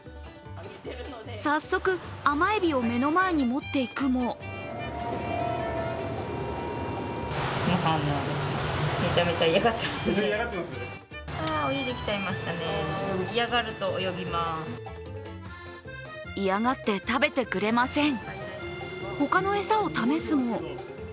早速甘えびを目の前に持っていくも嫌がって食べてくれません。